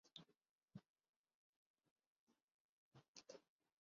وہ بیچارہ معزز ہونے کی ایکٹنگ کرتا